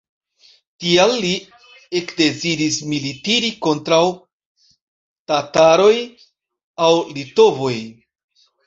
Tial li ekdeziris militiri kontraŭ tataroj aŭ litovoj!